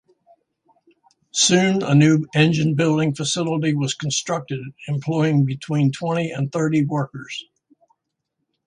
Soon, a new engine-building facility was constructed, employing between twenty and thirty workers.